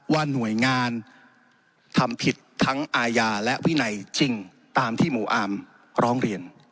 ว่าหน่วยงานทำผิดทั้งอาญาและวินัยจริงตามที่หมู่อาร์มร้องเรียน